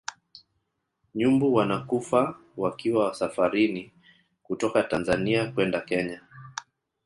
nyumbu wanakufa wakiwa safarini kutoka tanzania kwenda kenya